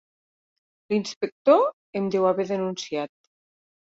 L'inspector em deu haver denunciat.